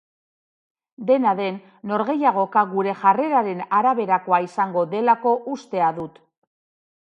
Dena den, norgehiagoka gure jarreraren araberakoa izango delako ustea dut.